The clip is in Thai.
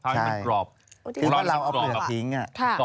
ใช่คือเราเอาเปลือกผิงอ่ะ